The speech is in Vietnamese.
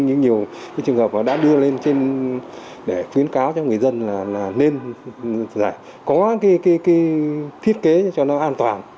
nhưng nhiều trường hợp đã đưa lên trên để khuyến cáo cho người dân là nên có cái thiết kế cho nó an toàn